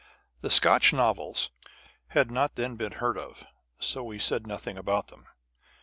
The Scotch novels had not then been heard of: so we said nothing about them.